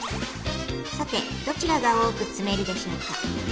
さてどちらが多くつめるでしょうか？